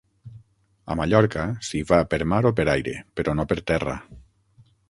A Mallorca, s'hi va per mar o per aire, però no per terra.